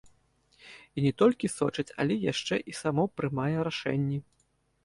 І не толькі сочыць, але яшчэ і само прымае рашэнні.